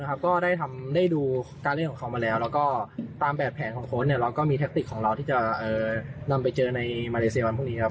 ก็ได้ดูการเล่นของเขามาแล้วแล้วก็ตามแบบแผนของโค้ชเราก็มีแท็กติกของเราที่จะนำไปเจอในมาเลเซียวันพรุ่งนี้ครับ